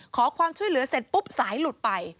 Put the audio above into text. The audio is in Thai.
ขอความช่วยเหลือเสร็จปุ๊บสายหลุดไป